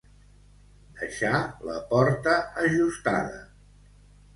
Deixar la porta ajustada.